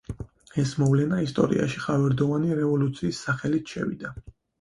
ეს მოვლენა ისტორიაში ხავერდოვანი რევოლუციის სახელით შევიდა.